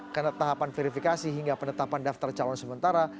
karena tahapan verifikasi hingga penetapan daftar calon sementara